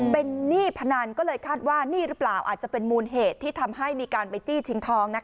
เป็นหนี้พนันก็เลยคาดว่านี่หรือเปล่าอาจจะเป็นมูลเหตุที่ทำให้มีการไปจี้ชิงทอง